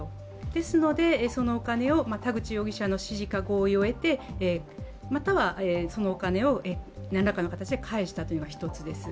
ですので、そのお金を田口容疑者の指示か合意を得てまたは、そのお金をなんらかの形で返したというのが一つです。